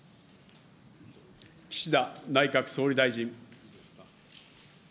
岸田内閣総理大臣。